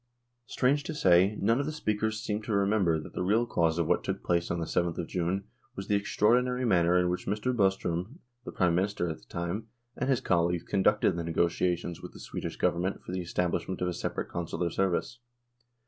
Strange to say, none of the speakers seemed to K 130 NORWAY AND THE UNION WITH SWEDEN remember that the real cause of what took place on the /th of June was the extraordinary manner in which Mr. Bostrom, the Prime Minister at the time, and his colleagues conducted the negotiations with the Norwegian Government for the establishment of a separate Consular service.